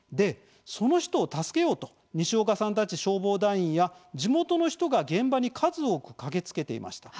その人を助けようと西岡さんたち消防団員や地元の人が現場に数多く駆けつけていました。